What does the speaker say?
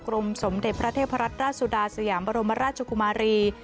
สมเด็จพระเทพรัตนราชสุดาสยามบรมราชกุมารี